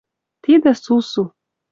Тидӹ сусу